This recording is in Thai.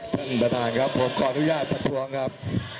ท่านประธานครับผมขออนุญาตประท้วงครับ